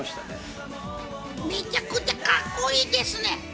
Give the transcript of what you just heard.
めちゃくちゃカッコいいですね！